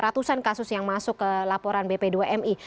ratusan kasus yang masuk ke laporan bp dua mi